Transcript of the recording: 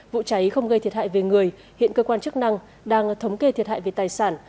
vụ cháy không gây thiệt hại về người hiện cơ quan chức năng đang thống kê thiệt hại về tài sản